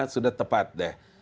sudah tepat deh